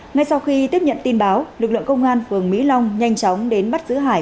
ngay sau khi tiếp nhận tin báo lực lượng công an phường mỹ long nhanh chóng đến bắt giữ hải